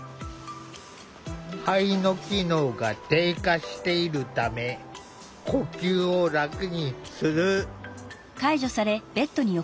肺の機能が低下しているため呼吸を楽にする。